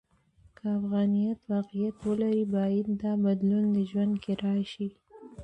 که افغانیت واقعیت ولري، باید دا بدلون د ژوند کې راشي.